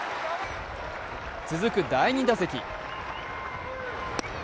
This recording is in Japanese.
続く第２打席。